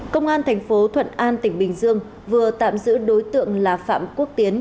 công an thành phố thuận an tỉnh bình dương vừa tạm giữ đối tượng là phạm quốc tiến